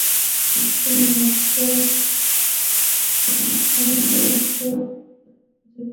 তুমি মাত্রই আগুনের উৎস খুঁজে পেয়েছো।